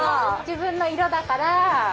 自分の色だから。